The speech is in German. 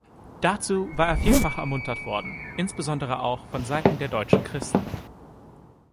Dazu war er vielfach ermuntert worden, insbesondere auch von Seiten der Deutschen Christen.